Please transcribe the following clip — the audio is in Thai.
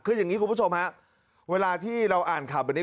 คืออย่างนี้คุณผู้ชมฮะเวลาที่เราอ่านข่าวแบบนี้